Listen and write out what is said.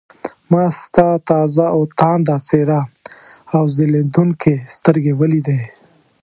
ما ستا تازه او تانده څېره او ځلېدونکې سترګې ولیدې.